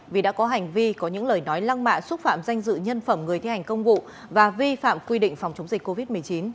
vì đã có hành vi có những lời nói lăng mạ xúc phạm danh dự nhân phẩm người thi hành công vụ và vi phạm quy định phòng chống dịch covid một mươi chín